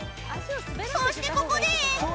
そしてここで